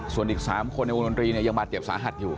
ส่วนอีก๓คนในวงดนตรีเนี่ยยังบาดเจ็บสาหัสอยู่